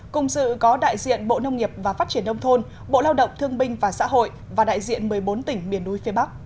cùng sự có đại diện bộ nông nghiệp và phát triển đông thôn bộ lao động thương minh và xã hội và đại diện một mươi bốn hội